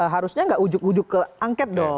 harusnya tidak ujuk ujuk ke angket